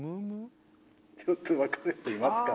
ちょっと分かる人いますか？